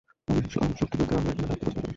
আম, সত্যি বলতে, আমরা এখানেই থাকতে পছন্দ করব।